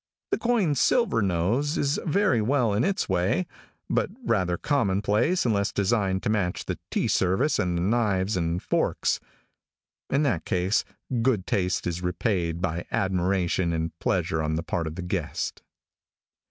The coin silver nose is very well in its way, but rather commonplace unless designed to match the tea service and the knives and forks. In that case, good taste is repaid by admiration and pleasure on the part of the guest.